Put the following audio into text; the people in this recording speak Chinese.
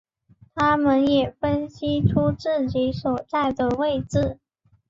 他们也分析出自己所在的位置。